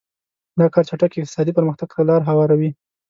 دا کار چټک اقتصادي پرمختګ ته لار هواروي.